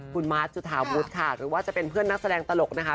คุณมาร์ทจุธาวุฒิค่ะหรือว่าจะเป็นเพื่อนนักแสดงตลกนะคะ